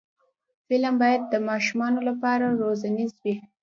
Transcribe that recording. فلم باید د ماشومانو لپاره روزنیز وي